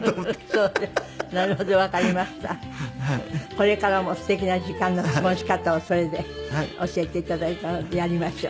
これからもすてきな時間の過ごし方をそれで教えて頂いたのでやりましょう。